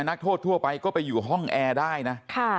นักโทษทั่วไปก็ไปอยู่ห้องแอร์ได้นะ